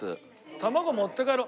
卵持って帰ろう。